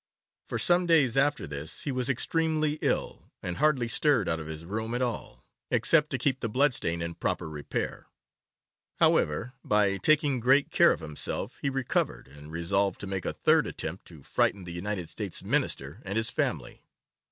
For some days after this he was extremely ill, and hardly stirred out of his room at all, except to keep the blood stain in proper repair. However, by taking great care of himself, he recovered, and resolved to make a third attempt to frighten the United States Minister and his family.